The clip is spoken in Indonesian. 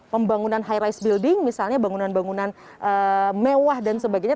pembangunan high rise building misalnya bangunan bangunan mewah dan sebagainya